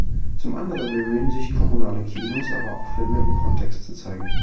Zum anderen bemühen sich Kommunale Kinos aber auch Filme im Kontext zu zeigen.